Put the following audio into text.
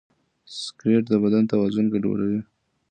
سګریټ د بدن توازن ګډوډوي.